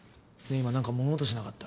いま何か物音しなかった？